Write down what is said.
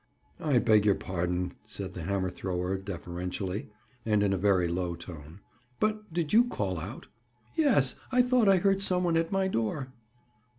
"I beg your pardon," said the hammer thrower deferentially, and in a very low tone, "but did you call out?" "Yes, I thought I heard some one at my door."